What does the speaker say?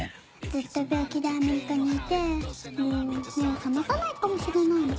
ずっと病気でアメリカにいてもう目を覚まさないかもしれないの。